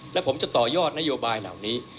และผมจะต่อยอดนโยบายเหล่านี้